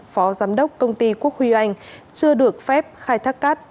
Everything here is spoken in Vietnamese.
phó giám đốc công ty quốc huy anh chưa được phép khai thác cát